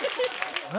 何？